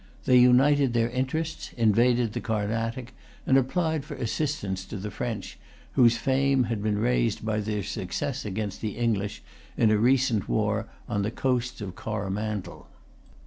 They united their interests, invaded the Carnatic, and applied for assistance to the French, whose fame had been raised by their success against the English in a recent war on the coast of Coromandel.